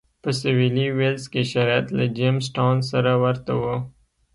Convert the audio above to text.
په سوېلي ویلز کې شرایط له جېمز ټاون سره ورته و.